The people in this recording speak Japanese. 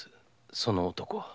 その男は。